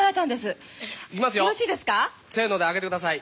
せのであげて下さい。